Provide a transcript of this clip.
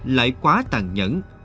lại quá tàn nhẫn